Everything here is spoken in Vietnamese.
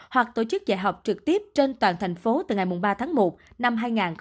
hoặc tổ chức dạy học trực tiếp trên toàn tp hcm từ ngày ba tháng một năm hai nghìn hai mươi hai